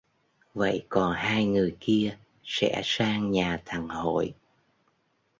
Vậy còn hai người kia sẽ sang nhà thằng Hội